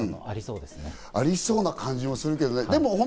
ありそうな感じもするけどね。